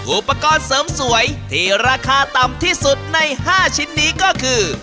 อุปกรณ์เสริมสวยที่ราคาต่ำที่สุดใน๕ชิ้นนี้ก็คือ